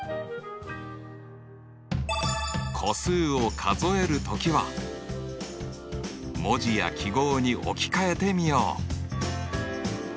個数を数える時は文字や記号に置き換えてみよう！